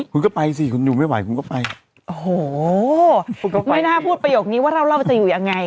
คุณก็ไปสิคุณอยู่ไม่ไหวคุณก็ไปโอ้โหไม่น่าพูดประโยคนี้ว่าเล่าจะอยู่ยังไง